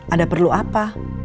ada perlu apa